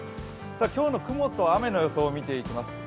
今日の雲と雨の予想を見ていきます。